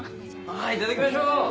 いただきましょう。